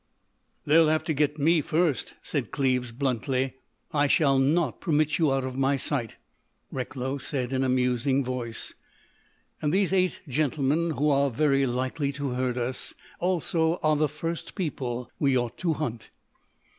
"They'll have to get me first," said Cleves, bluntly. "I shall not permit you out of my sight." Recklow said in a musing voice: "And these eight gentlemen, who are very likely to hurt us, also, are the first people we ought to hunt."